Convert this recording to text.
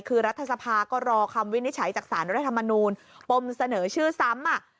คือรัฐสภาก็รอคำวินิจฉัยจากสารรัฐมนูลปมเสนอชื่อซ้ำ